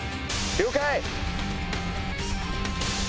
了解！